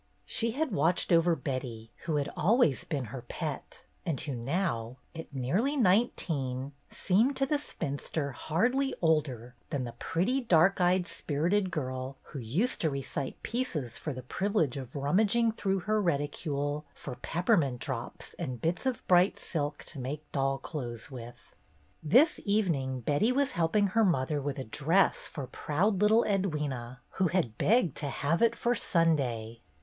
She had watched over Betty, who had always been her pet, and who now, at nearly nineteen, seemed to the spinster hardly older than the pretty, dark eyed, spirited child who used to recite ''pieces'' for the privilege of rummaging through her reticule for pepper mint drops and bits of bright silk to make doll clothes with. This evening Betty was helping her mother with a dress for proud little Edwyna, who had begged to have it "for Sunday."